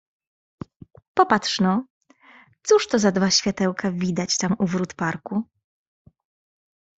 "Popatrz no, cóż to za dwa światełka widać tam u wrót parku?"